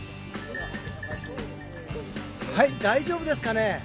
はい大丈夫ですかね？